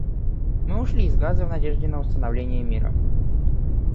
Мы ушли из Газы в надежде на установление мира.